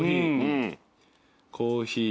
コーヒー